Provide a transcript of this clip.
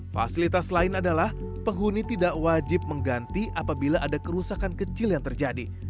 fasilitas lain adalah penghuni tidak wajib mengganti apabila ada kerusakan kecil yang terjadi